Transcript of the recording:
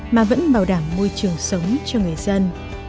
mà vẫn bảo đảm môi trường sống cho người dân